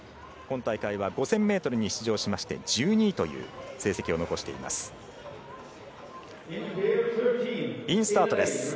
今大会は５０００ｍに出場しまして１２位という成績を残しています。